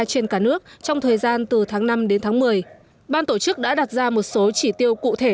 trên cả nước trong thời gian từ tháng năm đến tháng một mươi ban tổ chức đã đặt ra một số chỉ tiêu cụ thể